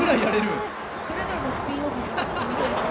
それぞれのスピンオフだって見たいしね。